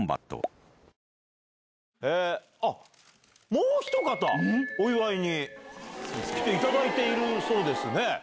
もうひと方お祝いに来ていただいているそうですね。